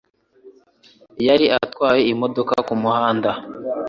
Yari atwaye imodoka kumuhanda.